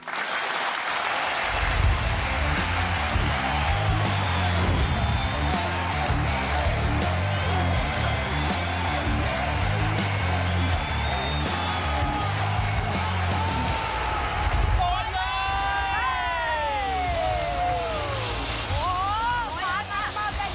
โต๊ะเลย